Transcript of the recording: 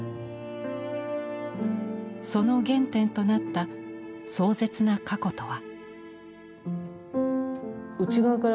その原点となった壮絶な過去とは。